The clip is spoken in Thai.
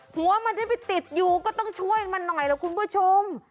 หัวมันได้ไปติดอยู่ก็ต้องช่วยมันหน่อยล่ะคุณผู้ชม